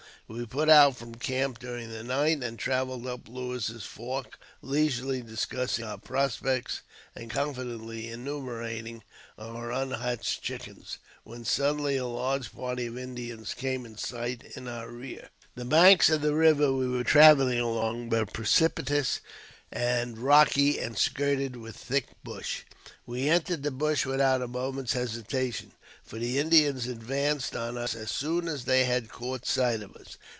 We put out from ■camp during the night, and travelled up Lewis's Fork, leisurely ■discussing our prospects and confidently enumerating our ^inhatched chickens, when suddenly a large party of Indians came in sight in our rear. The banks of the river we were travelling along were pre cipitous and rocky, and skirted with a thick bush. We entered the bush without a moment's hesitation, for the Indians ad vanced on us as soon as they had caught sight of us.